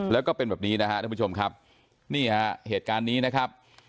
แล้วก็เป็นแบบนี้นะฮะท่านผู้ชมครับนี่ฮะเหตุการณ์นี้นะครับ